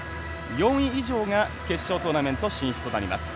４位以上が決勝トーナメント進出となります。